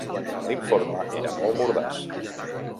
L'informe era molt mordaç.